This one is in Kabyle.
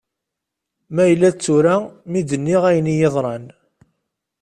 Ma yella d tura mi d-nniɣ ayen iyi-yeḍran.